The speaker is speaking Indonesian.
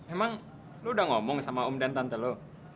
emang lu udah ngomong sama om dan tante lu